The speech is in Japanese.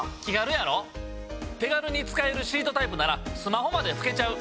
手軽に使えるシートタイプならスマホまでふけちゃう。